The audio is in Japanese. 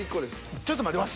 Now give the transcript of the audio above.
ちょっと待ってワシ。